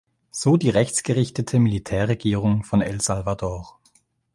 So die rechtsgerichtete Militärregierung von El Salvador.